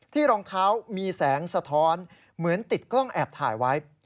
รองเท้ามีแสงสะท้อนเหมือนติดกล้องแอบถ่ายไว้